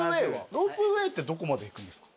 ロープウェイってどこまで行くんですか？